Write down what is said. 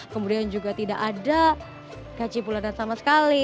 kemudian juga tidak ada gaji bulanan sama sekali